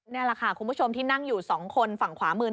นี่แหละค่ะคุณผู้ชมที่นั่งอยู่สองคนฝั่งขวามือ